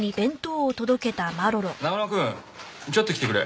長沼くんちょっと来てくれ。